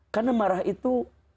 karena marah itu